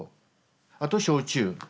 あと焼酎。